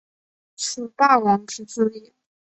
此霸王之资也。